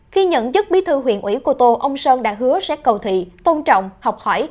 khi nhận chức bí thư huyện ủy cô tô ông sơn đã hứa sẽ cầu thị tôn trọng học hỏi